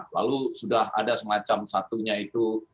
lalu sudah ada semacam satunya itu